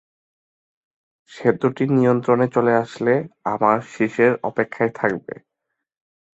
সেতুটি নিয়ন্ত্রণে চলে আসলে, আমার শিস এর অপেক্ষায় থাকবে।